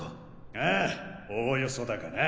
ああおおよそだがな。